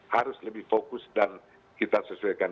harus lebih fokus dan kita sesuaikan